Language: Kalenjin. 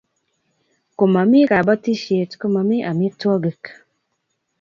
ko mami kabetishiet ko mami amitwangik